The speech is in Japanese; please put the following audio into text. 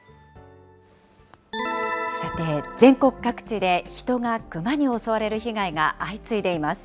さて、全国各地で人がクマに襲われる被害が相次いでいます。